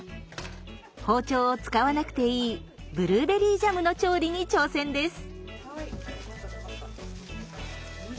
包丁を使わなくていいブルーベリージャムの調理に挑戦です。